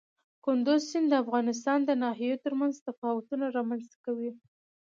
کندز سیند د افغانستان د ناحیو ترمنځ تفاوتونه رامنځ ته کوي.